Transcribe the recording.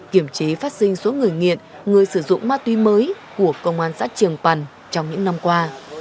kiểm trí phát sinh số người nghiện người sử dụng ma túy mới của công an xã trường pần trong những năm qua